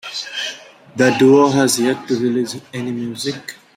The duo has yet to release any music.